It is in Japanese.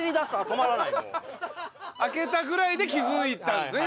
開けたぐらいで気づいたんですね。